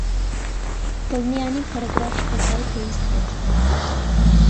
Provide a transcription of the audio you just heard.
دڵنیا نیم پەرەگرافی کۆتایی پێویست بێت.